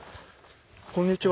こんにちは。